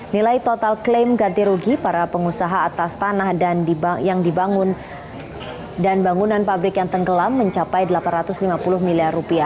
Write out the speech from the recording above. nilai total klaim ganti rugi para pengusaha atas tanah yang dibangun dan bangunan pabrik yang tenggelam mencapai rp delapan ratus lima puluh miliar